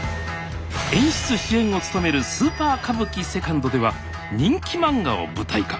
演出・主演を務めるスーパー歌舞伎Ⅱでは人気漫画を舞台化。